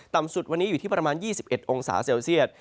ต่ำสุดวันนี้อยู่ที่ประมาณ๒๑องศาเซลเซียต